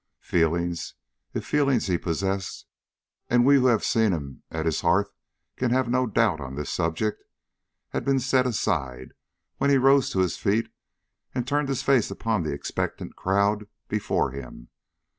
Feelings, if feelings he possessed and we who have seen him at his hearth can have no doubt on this subject, had been set aside when he rose to his feet and turned his face upon the expectant crowd before him.